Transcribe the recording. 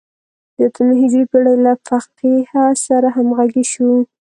د اتمې هجري پېړۍ له فقیه سره همغږي شو.